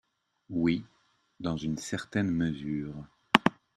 Oui, dans une certaine mesure.